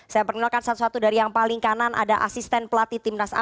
saya perkenalkan satu satu dari yang paling kanan ada asisten pelatih timnas a